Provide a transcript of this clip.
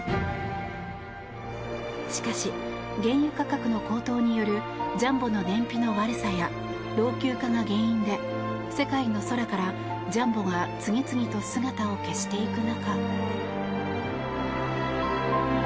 しかし、原油価格の高騰によるジャンボの燃費の悪さや老朽化が原因で世界の空からジャンボが次々と姿を消していく中。